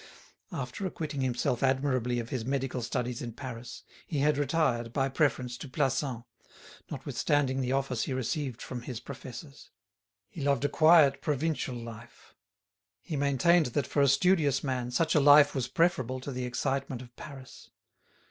After acquitting himself admirably of his medical studies in Paris, he had retired, by preference, to Plassans, notwithstanding the offers he received from his professors. He loved a quiet provincial life; he maintained that for a studious man such a life was preferable to the excitement of Paris.